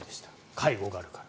介護があるから。